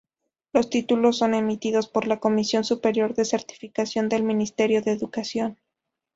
Los títulos son emitidos por la Comisión Superior de Certificación del Ministerio de Educación.